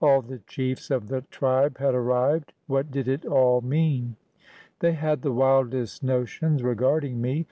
All the chiefs of the tribe had arrived. What did it all mean? They had the wildest notions regarding me.